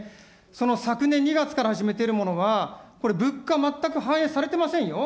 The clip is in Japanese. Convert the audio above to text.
その昨年２月から始めているものが、これ、物価全く反映されてませんよ。